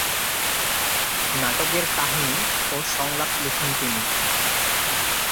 নাটকের কাহিনী ও সংলাপ লিখেন তিনি।